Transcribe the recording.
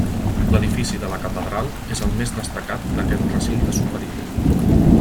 L'edifici de la catedral és el més destacat d'aquest recinte superior.